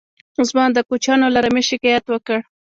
ځوان د کوچيانو له رمې شکايت وکړ.